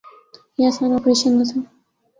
یہ آسان آپریشن نہ تھا۔